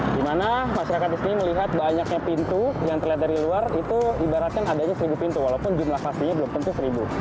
di mana masyarakat di sini melihat banyaknya pintu yang terlihat dari luar itu ibaratkan adanya seribu pintu walaupun jumlah pastinya belum tentu seribu